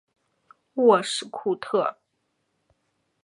沃什库特。